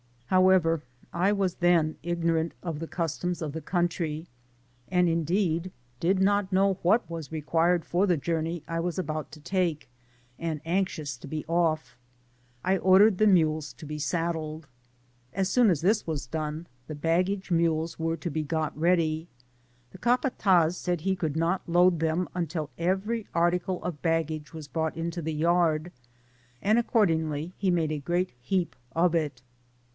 However, I was then ignorant of the cus toms of the country, and indeed did not know what was required for the journey I was about to take ; and, anxious to be off, I ordered the mules to be saddled. Ab soon as this was done, the baggage mules were to be got ready. The capataz said he could not load them, until every article of baggage was brought into the yard, and accordingly he made a great heap of it.